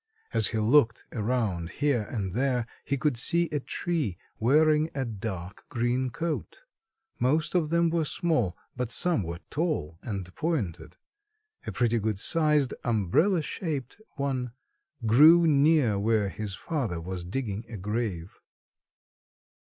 As he looked around here and there he could see a tree wearing a dark green coat. Most of them were small, but some were tall and pointed. A pretty good sized, umbrella shaped one grew near where his father was digging a grave.